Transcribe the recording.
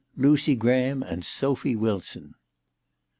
LUCY GRAHAM AND SOPHY WILSON.